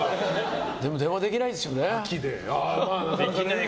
でも電話できないですよね。